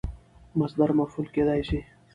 مصدر مفعول کېدای سي.